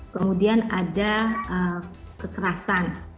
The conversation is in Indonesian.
kemudian ada kekerasan